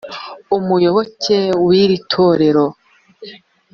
umuyoboke w iri torero